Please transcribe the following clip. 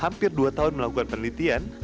hampir dua tahun melakukan penelitian